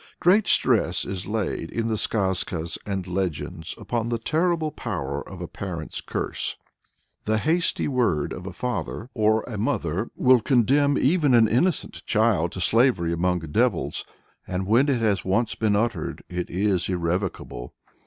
Great stress is laid in the skazkas and legends upon the terrible power of a parent's curse. The "hasty word" of a father or a mother will condemn even an innocent child to slavery among devils, and when it has once been uttered, it is irrevocable.